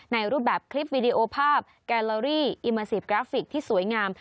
รูปแบบคลิปวิดีโอภาพแกลลอรี่อิมาซีฟกราฟิกที่สวยงาม